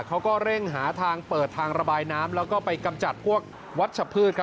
เขาก็เร่งหาทางเปิดทางระบายน้ำแล้วก็ไปกำจัดพวกวัชพืช